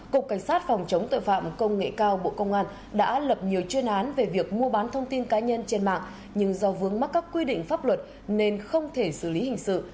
cục cảnh sát phòng chống tội phạm công nghệ cao bộ công an đã lập nhiều chuyên án về việc mua bán thông tin cá nhân trên mạng nhưng do vướng mắc các quy định pháp luật nên không thể xử lý hình sự